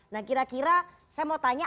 nah kira kira saya mau tanya